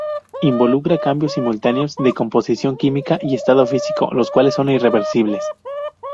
Involucra cambios simultáneos de composición química y estado físico, los cuales son irreversibles.